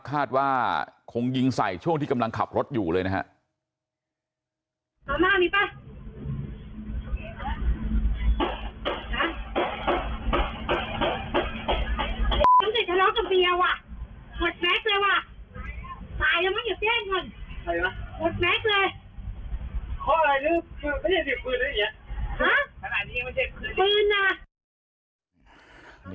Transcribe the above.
คาดว่าคงยิงใส่ช่วงที่กำลังขับรถอยู่เลยนะฮะ